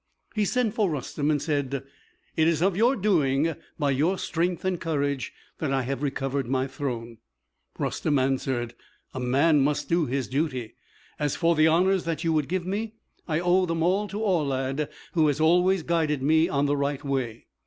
He sent for Rustem, and said, "It is of your doing, by your strength and courage, that I have recovered my throne." Rustem answered, "A man must do his duty. As for the honors that you would give me, I owe them all to Aulad, who has always guided me on the right way.